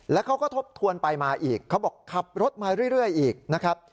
แล้วเขาก็ทบทวนไปมาอีกเขาบอกขับรถมาเรื่อยอีกนะครับ